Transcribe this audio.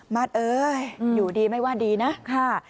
มาสเอ๋ยอยู่ดีไม่ว่าดีนะ